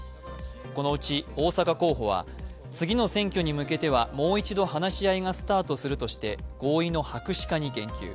このうち、逢坂候補は次の選挙に向けてはもう一度話し合いがスタートするとして合意の白紙化に言及。